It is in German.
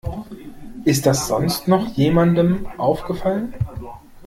Ist das sonst noch jemandem aufgefallen?